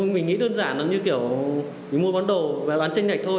mình nghĩ đơn giản là như kiểu mình mua bán đồ và bán tranh nhạch thôi